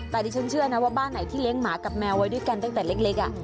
แต่ดิฉันเชื่อนะว่าบ้านไหนที่เลี้ยงหมากับแมวไว้ด้วยกันตั้งแต่เล็ก